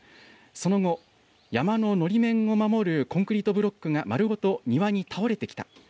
その後、山ののり面を守るコンクリートブロックがまるごと庭に倒れてきた。